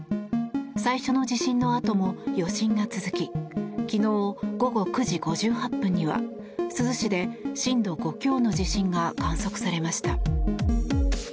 最初の地震のあとも余震が続き昨日午後９時５８分には珠洲市で震度５強の地震が観測されました。